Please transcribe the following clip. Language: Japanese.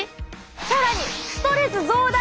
更にストレス増大！